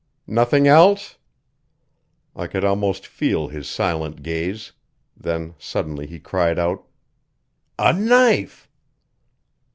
"Nothing else?" I could almost feel his silent gaze; then suddenly he cried out: "A knife!"